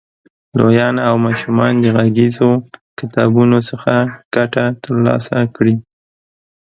لویان او ماشومان د غږیزو کتابونو څخه ګټه تر لاسه کړي.